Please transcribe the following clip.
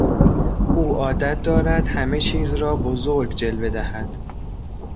او عادت دارد همه چیز را بزرگ جلوه دهد.